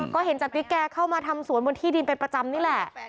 ก็เห็นจติ๊กแกเข้ามาทำสวนบนที่ดินเป็นประจำนี่แหละ